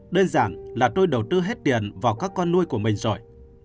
đơn giản là tôi đầu tư hết tiền vào các con nuôi của mình rồi